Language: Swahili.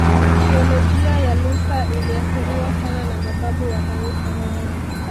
Teolojia ya Luther iliathiriwa sana na mababu wa kanisa